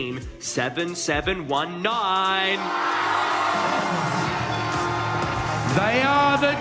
mereka adalah java knight